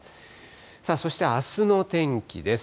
さあ、そしてあすの天気です。